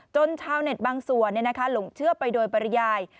ชาวเน็ตบางส่วนหลงเชื่อไปโดยปริยาย